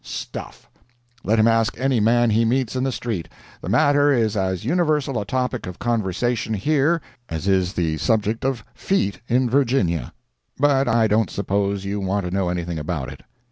Stuff! let him ask any man he meets in the street—the matter is as universal a topic of conversation here as is the subject of "feet" in Virginia. But I don't suppose you want to know anything about it.